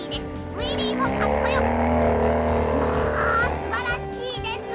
すばらしいですね！